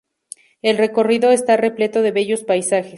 El recorrido está repleto de bellos paisajes.